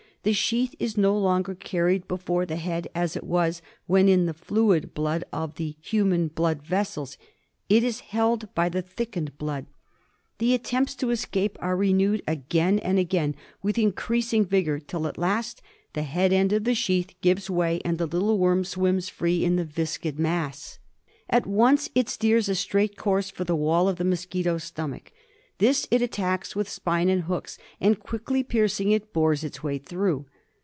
The sheath is no longer carried before the head as it was when in the fluid blood of the human blood vessels. It is held by the thickened blood. The attempts pholo by Mr. H. Spina.] to escape are renewed again and again with increasing vigour, till at last the head end of the sheath gives way and the little worm swims free in the viscid mass. At FiUria in thorai. 8o FILARIASIS. once it steers a straight course for the wall of the mos quito's stomach. This it attacks with spine and hooks, and, quickly piercing it, bores its way through.